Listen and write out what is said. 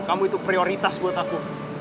kamu itu prioritas buat aku